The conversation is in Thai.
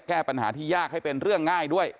แก้ปัญหาที่ยากให้เป็นเรื่องง่ายด้วย